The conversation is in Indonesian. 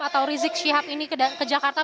atau rizik syihab ini ke jakarta